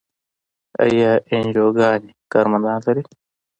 آیا انجیوګانې کارمندان لري؟